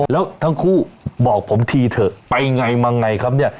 แล้วทั้งคู่บอกผมทีเถอะไปไงมาไงครับเนี่ย